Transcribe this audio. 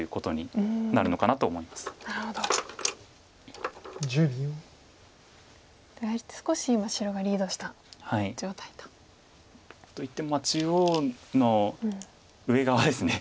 やはり少し今白がリードした状態と。といっても中央の上側ですね